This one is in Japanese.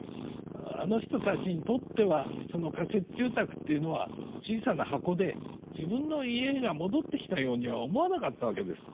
あの人たちにとっては仮設住宅っていうのは小さな箱で自分の家が戻ってきたようには思わなかったわけです。